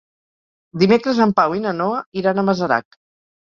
Dimecres en Pau i na Noa iran a Masarac.